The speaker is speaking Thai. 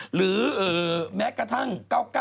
หรือแม้กระทั่ง๙๙